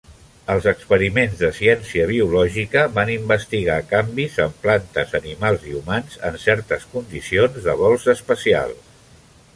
Els experiments de ciència biològica van investigar canvis en plantes, animals i humans en certes condicions de vols espacials.